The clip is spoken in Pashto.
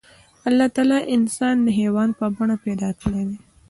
الله تعالی انسان د حيوان په بڼه پيدا کړی دی.